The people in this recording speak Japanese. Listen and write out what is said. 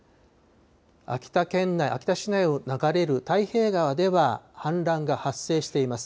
秋田県内、秋田市内を流れる太平川では、氾濫が発生しています。